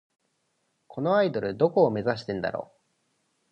このアイドル、どこを目指してんだろ